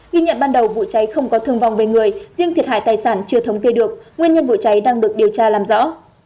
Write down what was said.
ghi nhận ban đầu vụ cháy không có thương vong về người riêng thiệt hại tài sản chưa thống kê được nguyên nhân vụ cháy đang được điều tra làm rõ